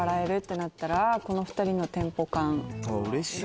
うれしい。